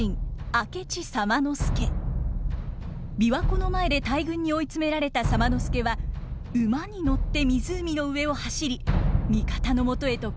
琵琶湖の前で大軍に追い詰められた左馬介は馬に乗って湖の上を走り味方のもとへと駆けつけます。